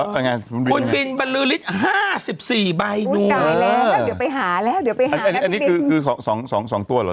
คุณบินบรรลือริสต์๕๔ใบอันนี้คือ๒ตัวเหรอ